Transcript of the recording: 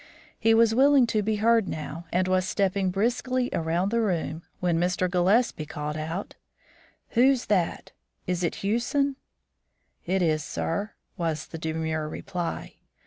He was willing to be heard now, and was stepping briskly around the room, when Mr. Gillespie called out: "Who's that? Is it Hewson?" "It is, sir," was the demure reply.